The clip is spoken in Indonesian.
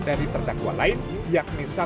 dari terdakwa lain yakni